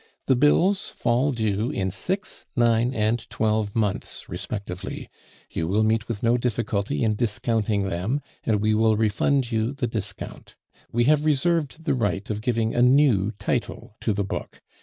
The bills fall due in six, nine, and twelve months respectively; you will meet with no difficulty in discounting them, and we will refund you the discount. We have reserved the right of giving a new title to the book.